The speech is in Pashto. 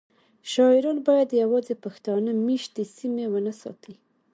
شاعران باید یوازې پښتانه میشتې سیمې ونه ستایي